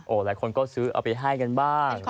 หลายคนก็ซื้อเอาไปให้กันบ้าง